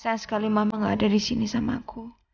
sayang sekali mama gak ada disini sama aku